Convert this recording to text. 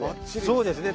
そうですね。